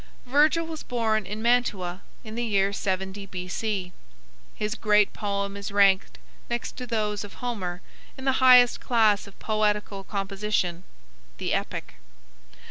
Virgil was born in Mantua in the year 70 B.C. His great poem is ranked next to those of Homer, in the highest class of poetical composition, the Epic.